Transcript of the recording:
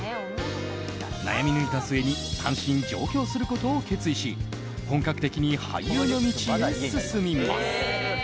悩み抜いた末に単身上京することを決意し本格的に俳優の道へ進みます。